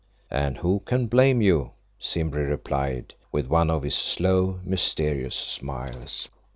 "And who can blame you?" Simbri replied with one of his slow, mysterious smiles.